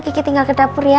kiki tinggal ke dapur ya